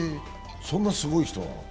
そんなすごい人なの？